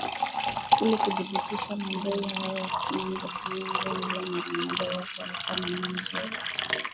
ili kuthibitisha madai hayo na kwamba ingetumia njia hiyo mara moja iwapo walikuwa na nia nzuri